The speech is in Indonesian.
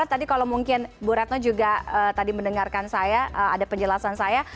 tadi kalau mungkin bu retno juga tadi mendengarkan saya ada penjelasan saya